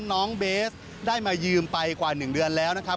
น้องเบสได้มายืมไปกว่า๑เดือนแล้วนะครับ